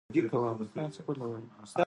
په طریقه له کومې اوښې شیدې ورته راولوشه،